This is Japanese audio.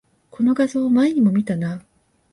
この画像、前にも見たな